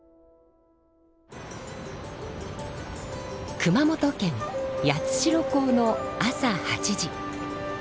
熊本県八代港の朝８時。